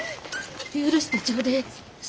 許してちょうでえ。